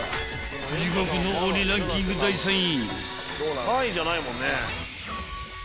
地獄の鬼ランキング第３位］